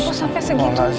kok sampai segitunya sih